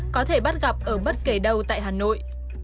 có thể bắt gặp ở bất kể đâu tại hà nội